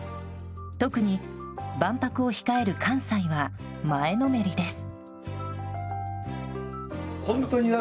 特に万博を控える関西は前のめりです。